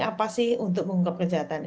apa sih untuk mengungkap kejahatan ini